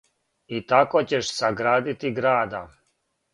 "И тако ћеш саградити града."